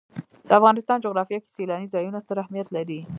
د افغانستان جغرافیه کې سیلاني ځایونه ستر اهمیت لري.